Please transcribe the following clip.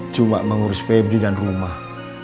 cuma mengurus febri dan rumah